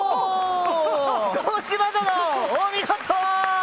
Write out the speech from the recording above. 城島殿お見事！